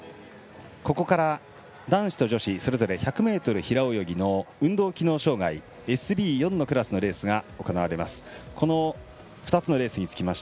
ここから男子、女子それぞれ１００ｍ平泳ぎの運動機能障がいＳＢ４のクラスのレースが行われます。